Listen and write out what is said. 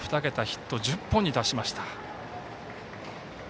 ヒット１０本に達しました。